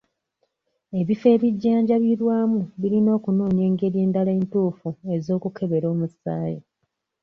Ebifo ebijjanjabirwamu birina okunoonya engeri endala entuufu ez'okukebera omusaayi.